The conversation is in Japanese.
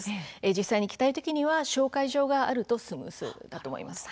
実際に行きたい時は紹介状があるとスムーズだと思います。